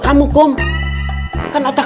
kalo dipanggil si aceh